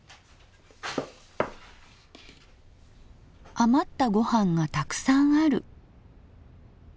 余ったご飯がたくさんある。